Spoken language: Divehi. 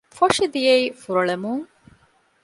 ފޮށި ދިޔައީ ފުރޮޅެމުން